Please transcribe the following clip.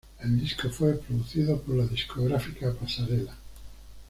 El Disco fue producido por la Discográfica Pasarela.